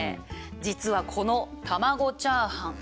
実はこの卵チャーハン